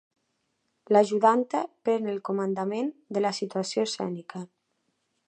L'ajudanta pren el comandament de la situació escènica.